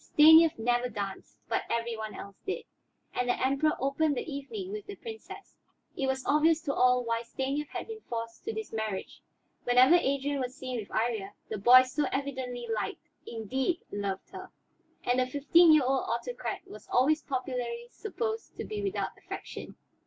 Stanief never danced, but every one else did, and the Emperor opened the evening with the Princess. It was obvious to all why Stanief had been forced to this marriage, whenever Adrian was seen with Iría; the boy so evidently liked, indeed, loved her. And the fifteen year old autocrat was always popularly supposed to be without affection.